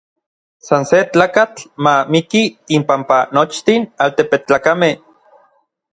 San se tlakatl ma miki inpampa nochtin altepetlakamej.